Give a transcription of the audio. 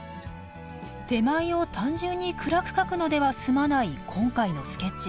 手前を単純に暗く描くのでは済まない今回のスケッチ。